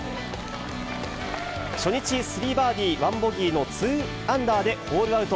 初日、スリーバーディー、ワンボギーのツーアンダーでホールアウト。